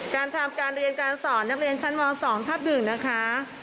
การทำการเรียนการสอนนักเรียนชั้นม๒ทับ๑นะคะ